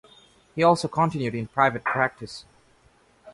He also continued in private practice.